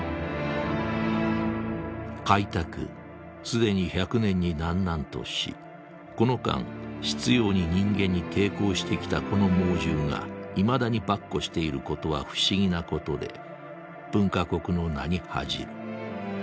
「開拓既に百年になんなんとしこの間執拗に人間に抵抗して来たこの猛獣がいまだに跋扈していることは不思議なことで文化国の名に恥じる。